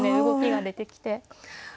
動きが出てきて。